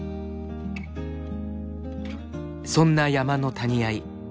そんな山の谷あい。